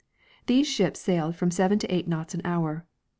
These ships sailed from seven to eight knots an hour.